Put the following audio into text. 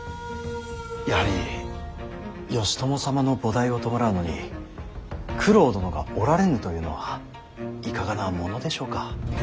やはり義朝様の菩提を弔うのに九郎殿がおられぬというのはいかがなものでしょうか。